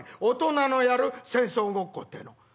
大人のやる戦争ごっこってえの」。